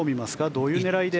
どういう狙いで。